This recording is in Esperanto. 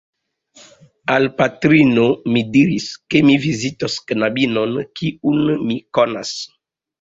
Al patrino mi diris, ke mi vizitos knabinon, kiun mi konas.